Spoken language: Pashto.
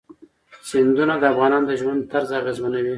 سیندونه د افغانانو د ژوند طرز اغېزمنوي.